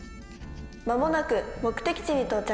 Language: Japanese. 「間もなく目的地に到着します」。